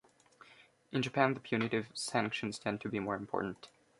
In Japan the punitive sanctions tend to be more important.